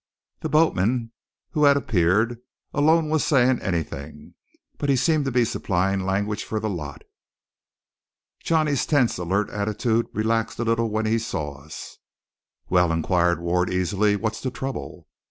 The boatman, who had appeared, alone was saying anything, but he seemed to be supplying language for the lot. Johnny's tense, alert attitude relaxed a little when he saw us. "Well?" inquired Ward easily. "What's the trouble?"